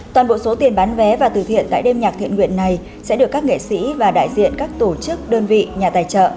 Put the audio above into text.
toàn bộ số tiền bán vé và từ thiện tại đêm nhạc thiện nguyện này sẽ được các nghệ sĩ và đại diện các tổ chức đơn vị nhà tài trợ